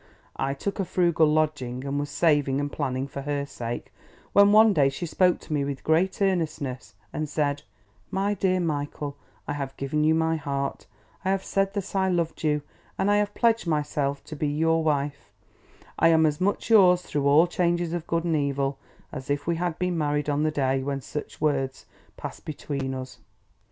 I took a frugal lodging and was saving and planning for her sake, when, one day, she spoke to me with great earnestness, and said: "My dear Michael, I have given you my heart. I have said that I loved you, and I have pledged myself to be your wife. I am as much yours through all changes of good and evil as if we had been married on the day when such words passed between us.